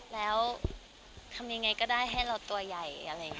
แล้วทำอย่างไรก็ได้ให้เราตัวใหญ่